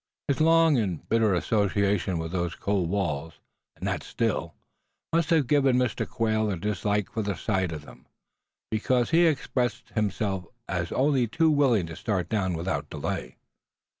His long and bitter association with those cold walls, and that Still, must have given Mr. Quail a dislike for the sight of them; because he expressed himself as only too willing to start down without delay.